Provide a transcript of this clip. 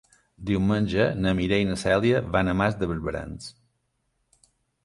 Diumenge na Mireia i na Cèlia van a Mas de Barberans.